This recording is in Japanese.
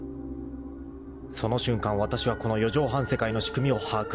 ［その瞬間わたしはこの四畳半世界の仕組みを把握した］